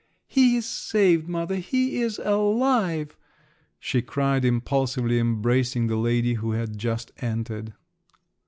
"He is saved, mother, he is alive!" she cried, impulsively embracing the lady who had just entered.